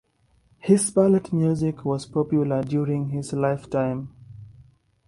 His ballet music was popular during his lifetime.